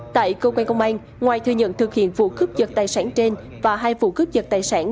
tại cơ quan công an ngoài thừa nhận thực hiện vụ cướp dật tài sản trên và hai vụ cướp dật tài sản